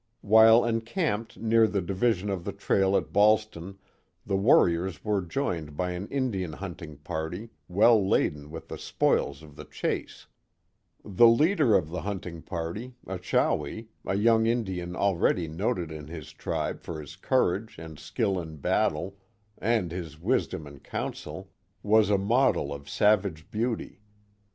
While encamped near the division of the trail at Ballston the warriors were joined by an Indian huntinj^ party well laden with the spoils of the chase. Count Frontenac and the Mohawk Valley 103 The leader of the hunting party, Achawi, a young Indian already noted in his tribe for his courage and skill in battle and his wisdom in council, was a model of savage beauty.